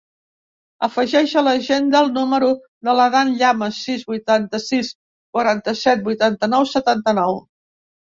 Afegeix a l'agenda el número de l'Adán Llamas: sis, vuitanta-sis, quaranta-set, vuitanta-nou, setanta-nou.